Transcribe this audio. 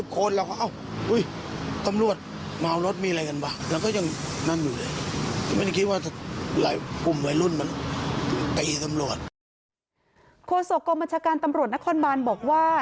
โฆษกรมบัญชาการตำรวจนครบานบอกว่า